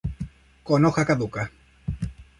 Con hoja caduca.